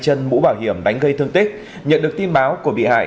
chân mũ bảo hiểm đánh gây thương tích nhận được tin báo của bị hại